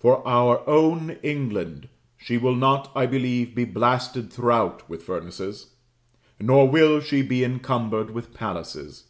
For our own England, she will not, I believe, be blasted throughout with furnaces; nor will she be encumbered with palaces.